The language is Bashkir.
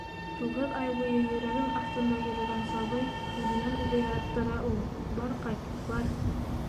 - Туғыҙ ай буйы йөрәгең аҫтында йөрөгән сабый үҙенән-үҙе яраттыра ул. Бар ҡайт, бар...